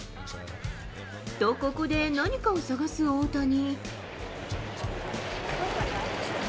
と、ここで何かを探す大谷。